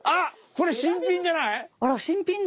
これいいじゃない。